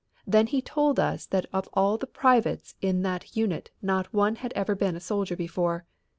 Then he told us that of all the privates in that unit not one had ever been a soldier before.